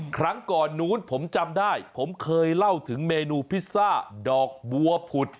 ครั้งก่อนนู้นผมจำได้ผมเคยเล่าถึงเมนูพิซซ่าดอกบัวผุด